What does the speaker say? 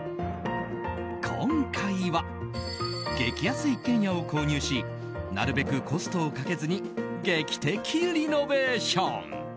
今回は、激安一軒家を購入しなるべくコストをかけずに劇的リノベーション！